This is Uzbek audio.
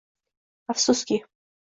afsuski